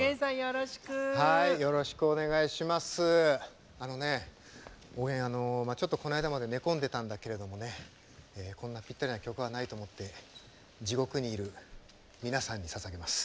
おげん、この間まで寝込んでたんだけどもねこんなぴったりな曲はないと思って地獄にいる皆さんにささげます。